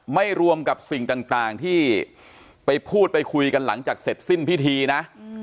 ไม่รวมกับสิ่งต่างที่ไปพูดไปคุยกันหลังจากเสร็จสิ้นพิธีนะ